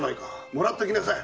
もらっときなさい。